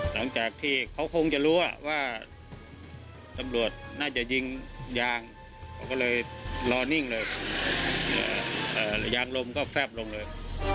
หลังจากที่เขาคงจะรู้ว่าตำรวจน่าจะยิงยางเขาก็เลยรอนิ่งเลยยางลมก็แฟบลงเลย